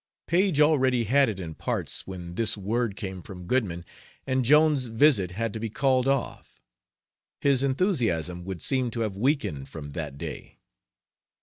Paige already had it in parts when this word came from Goodman, and Jones's visit had to be called off. His enthusiasm would seem to have weakened from that day.